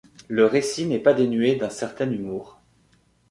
Le récit n'est pas dénué d'un certain humour.